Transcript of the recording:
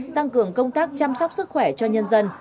tăng cường công tác chăm sóc sức khỏe cho nhân dân